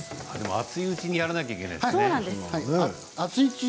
熱いうちにやらなくてはいけないんですね。